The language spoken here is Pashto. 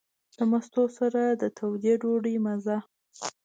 د مستو سره د تودې ډوډۍ مزه.